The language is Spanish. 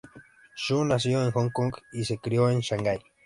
Xu nació en Hong Kong y se crió en Shanghai.